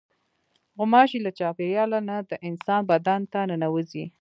غوماشې له چاپېریاله نه د انسان بدن ته ننوځي.